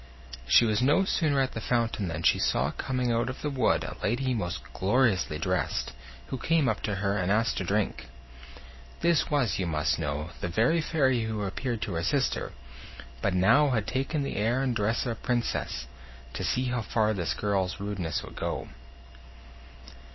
She was no sooner at the fountain than she saw coming out of the wood a lady most gloriously dressed, who came up to her, and asked to drink. This was, you must know, the very fairy who appeared to her sister, but now had taken the air and dress of a princess, to see how far this girl's rudeness would go.